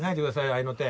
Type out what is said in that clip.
合いの手。